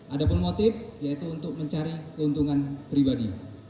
ada pun motif yaitu untuk mencari keuntungan pribadi